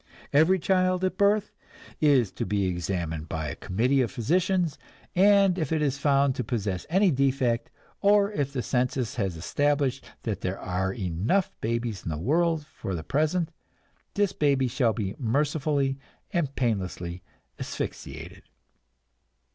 Every child at birth is to be examined by a committee of physicians, and if it is found to possess any defect, or if the census has established that there are enough babies in the world for the present, this baby shall be mercifully and painlessly asphyxiated.